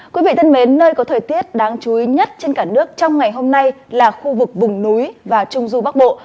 quý vị thân mến nơi có thời tiết đáng chú ý nhất trên cả nước trong ngày hôm nay là khu vực vùng núi và trung du bắc bộ